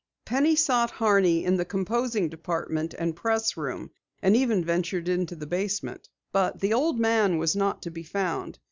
Penny sought Horney in the composing department and pressroom, and even ventured into the basement. The old man was not to be found.